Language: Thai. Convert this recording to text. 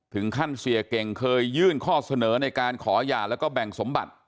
ถึงขั้นเสียเก่งเคยยื่นข้อเสนอในการขอหย่าแล้วก็แบ่งสมบัติ